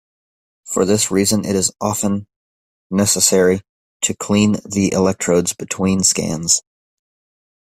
For this reason it is often necessary to clean the electrodes between scans.